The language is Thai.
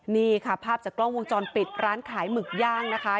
นี่ค่ะภาพจากกล้องวงจรปิดร้านขายหมึกย่างนะคะ